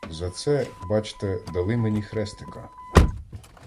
За це, бачте, дали мені хрестика.